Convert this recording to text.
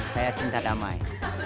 saya cinta damai